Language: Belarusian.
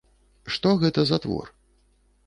Што гэта за твор?